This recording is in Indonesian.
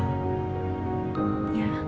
enggak aku liat